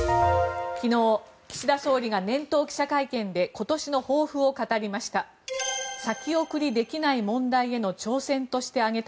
昨日、岸田総理が年頭記者会見で今年の抱負を語りました。